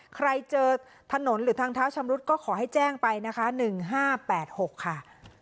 ใครเจอถนนหรือทางเท้าชำรุดก็ขอให้แจ้งไปนะคะ๑๕๘๖ค่ะ